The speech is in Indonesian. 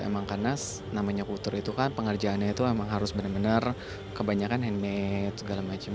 emang karena namanya kultur itu kan pengerjaannya itu emang harus benar benar kebanyakan handmade segala macem